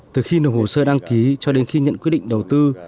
từ khi nộp hồ sơ đăng ký cho đến khi nhận quyết định đầu tư